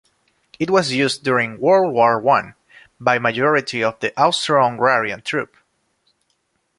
It was used during World War One by majority of the Austro-Hungarian Army troops.